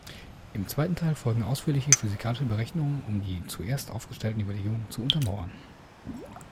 Im zweiten Teil folgen ausführliche physikalische Berechnungen um die zuerst aufgestellten Überlegungen zu untermauern.